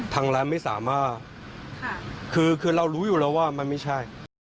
ทางร้านไม่สามารถคือเรารู้อยู่แล้วว่ามันไม่ใช่